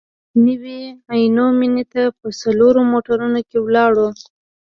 نوي عینو مېنې ته په څلورو موټرونو کې ولاړو.